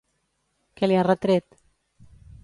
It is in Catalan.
Què li ha retret?